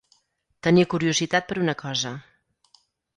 Tenir curiositat per una cosa.